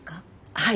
はい。